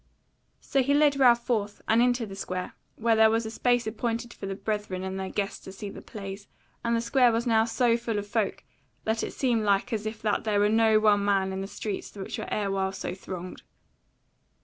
So he led Ralph forth, and into the square, where there was a space appointed for the brethren and their guests to see the plays; and the square was now so full of folk that it seemed like as if that there were no one man in the streets which were erewhile so thronged.